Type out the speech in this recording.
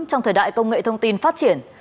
trong thời đại công nghệ thông tin phát triển